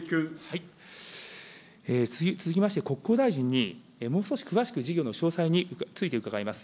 続きまして、国交大臣にもう少し詳しく事業の詳細について伺います。